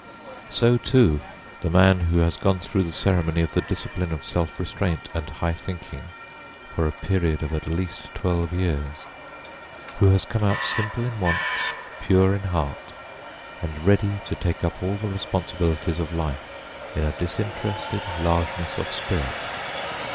So too the man who has gone through the ceremony of the discipline of self restraint and high thinking for a period of at least twelve years; who has come out simple in wants, pure in heart, and ready to take up all the responsibilities of life in a disinterested largeness of spirit.